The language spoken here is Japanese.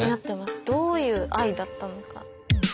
どういう愛だったのか。